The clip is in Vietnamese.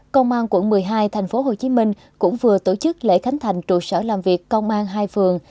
công an quận một mươi hai tp hcm cũng vừa tổ chức lễ khánh thành trụ sở làm việc công an hai phường